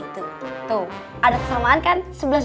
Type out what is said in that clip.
tuh ada tersamaan kan